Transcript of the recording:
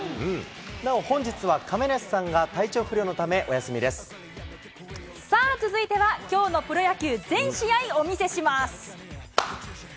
なお本日は、亀梨さんが体調さあ、続いてはきょうのプロ野球、全試合お見せします。